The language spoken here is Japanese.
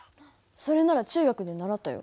それなら中学で習ったよ。